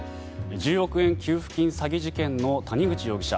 １０億円給付金詐欺事件の谷口容疑者。